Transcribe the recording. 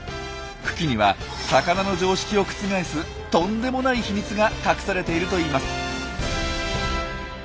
群来には魚の常識を覆すとんでもない秘密が隠されているといいます。